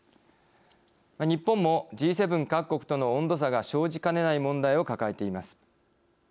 日本もＧ７各国との温度差が生じかねない問題を抱えています。